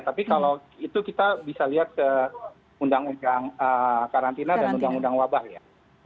tapi kalau itu kita bisa lihat ke undang undang karantina dan undang undang wabah ya